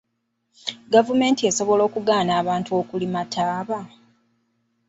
Gavumenti esobola okugaana abantu okulima ttaaba?